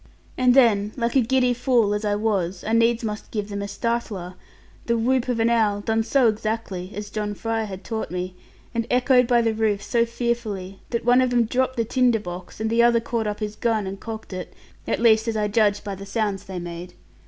And then, like a giddy fool as I was, I needs must give them a startler the whoop of an owl, done so exactly, as John Fry had taught me, and echoed by the roof so fearfully, that one of them dropped the tinder box; and the other caught up his gun and cocked it, at least as I judged by the sounds they made.